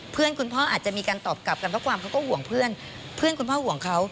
เพื่อนคุณพ่ออาจจะมีการตอบกลับกันเพราะความเขาก็ห่วงเพื่อนเพื่อนคุณพ่อห่วงเขา